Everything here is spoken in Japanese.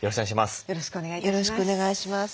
よろしくお願いします。